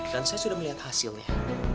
dan saya sudah melihat hasilnya